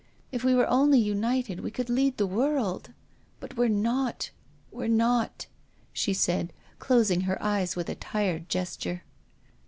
If we were only united we could lead the world. But we're not," she said, closing her eyes with a tired gesture.